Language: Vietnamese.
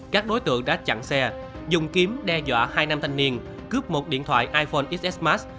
các đối tượng đã chặn xe dùng kiếm đe dọa hai nam thanh niên cướp một điện thoại iphone xs max